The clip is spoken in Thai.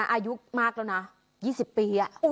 อายุมากแล้วนะ๒๐ปี